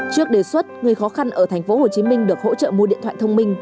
trước đề xuất người khó khăn ở tp hcm được hỗ trợ mua điện thoại thông minh